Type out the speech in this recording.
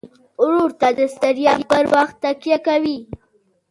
ورور ته د ستړیا پر وخت تکیه کوي.